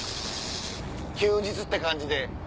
休日って感じで。